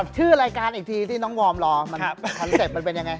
ชื่อรายการอีกทีที่น้องวอร์มรอมันคอนเซ็ปต์มันเป็นยังไง